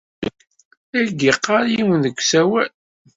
La ak-d-yeɣɣar yiwen deg usawal.